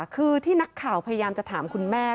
คือที่นักข่าวพยายามจะถามคุณแม่